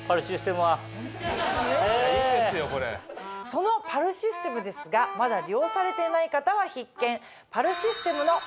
そのパルシステムですがまだ利用されていない方は必見。